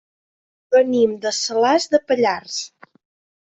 Venim de Salàs de Pallars.